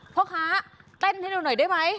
พ่อค้าเต้นให้ดูหน่อยได้ไหม